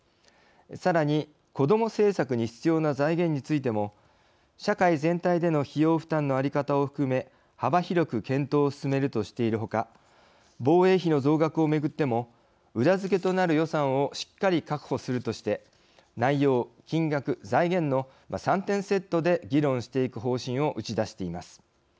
さらに、子ども政策に必要な財源についても社会全体での費用負担の在り方を含め幅広く検討を進めるとしている他防衛費の増額を巡っても裏付けとなる予算をしっかり確保する、として内容、金額、財源の３点セットで議論していく方針を打ち出しています。